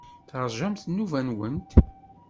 Teṛjamt nnuba-nwent.